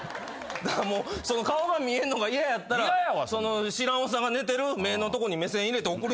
顔が見えんのが嫌やったら知らんおっさんが寝てる目のとこに目線入れて送る。